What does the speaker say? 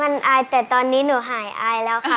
มันอายแต่ตอนนี้หนูหายอายแล้วค่ะ